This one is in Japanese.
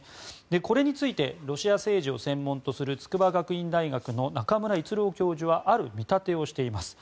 これについてロシア政治を専門とする筑波学院大学の中村逸郎教授はある見立てをしています。